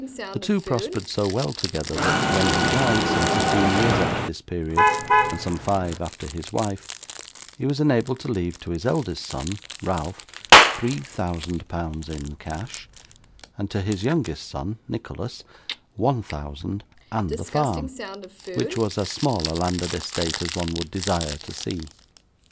The two prospered so well together that, when he died, some fifteen years after this period, and some five after his wife, he was enabled to leave, to his eldest son, Ralph, three thousand pounds in cash, and to his youngest son, Nicholas, one thousand and the farm, which was as small a landed estate as one would desire to see.